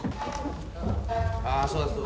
ああそうそう。